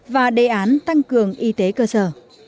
và đề án tăng cường y tế cơ sở